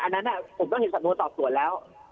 อันนั้นผมต้องเห็นสำนวนสอบสวนแล้ว